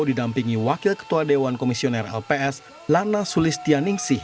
didampingi wakil ketua dewan komisioner lps lana sulistianingsih